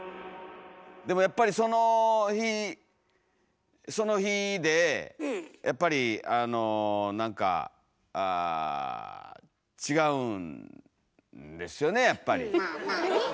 でもやっぱりその日その日でやっぱりあの何かあ違うんですよねやっぱり。